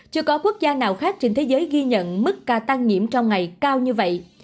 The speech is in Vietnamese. chưa có quốc gia nào khác trên thế giới ghi nhận mức ca tăng nhiễm trong ngày cao như vậy